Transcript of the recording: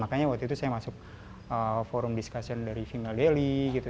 makanya waktu itu saya masuk forum discussion dari final daily gitu